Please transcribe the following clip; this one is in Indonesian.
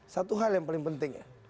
satu hal yang paling penting